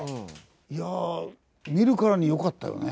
いや見るからに良かったよね。